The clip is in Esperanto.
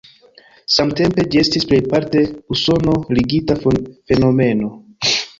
Samtempe ĝi estis plejparte usono-ligita fenomeno.